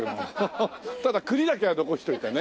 ただ栗だけは残しといてね。